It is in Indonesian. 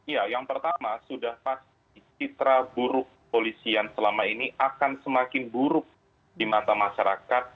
ya yang pertama sudah pasti citra buruk polisian selama ini akan semakin buruk di mata masyarakat